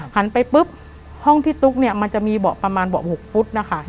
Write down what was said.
ไปปุ๊บห้องพี่ตุ๊กเนี่ยมันจะมีเบาะประมาณเบาะ๖ฟุตนะคะ